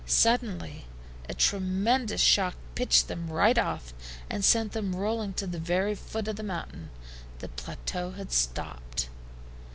Suddenly a tremendous shock pitched them right off, and sent them rolling to the very foot of the mountain. The plateau had stopped.